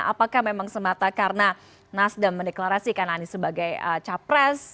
apakah memang semata karena nasdem mendeklarasikan anies sebagai capres